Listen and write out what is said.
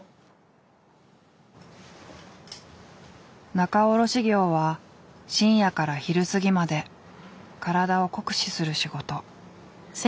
仲卸業は深夜から昼過ぎまで体を酷使する仕事。